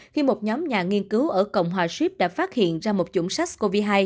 khi một nhóm nhà nghiên cứu ở cộng hòa ship đã phát hiện ra một chủng sars cov hai